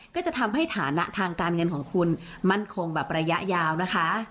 ก็จะทำให้ฐานะทางการเงินของคุณมั่นคงแบบระยะยาวนะคะ